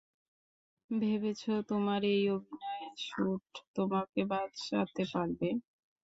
ভেবেছ, তোমার এই অভিনব স্যুট তোমাকে বাঁচাতে পারবে?